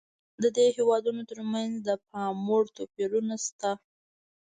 د دې هېوادونو ترمنځ د پاموړ توپیرونه شته.